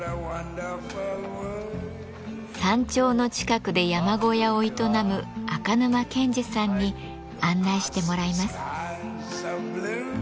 山頂の近くで山小屋を営む赤沼健至さんに案内してもらいます。